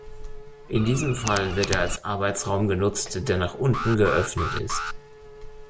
In diesem Fall wird er als Arbeitsraum genutzt, der nach unten geöffnet ist.